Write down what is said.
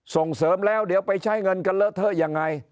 ส่งเสริมแล้วเดี๋ยวไปใช้เงินกันเลอะเทอะยังไง